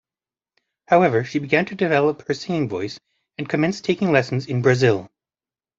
However, she began to develop her singing voice and commenced taking lessons in Brazil.